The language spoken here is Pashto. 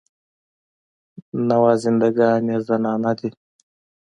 نوازنده ګان یې زنانه دي.